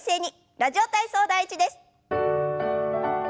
「ラジオ体操第１」です。